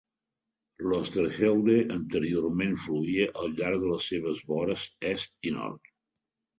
L'Oosterschelde anteriorment fluïa al llarg de les seves vores est i nord.